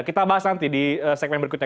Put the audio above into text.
kita bahas nanti di segmen berikutnya